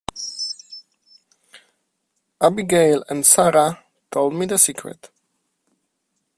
Abigail and Sara told me the secret.